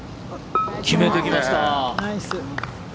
決めてきました。